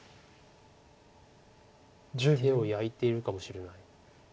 手を焼いているかもしれない。